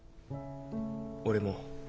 俺も。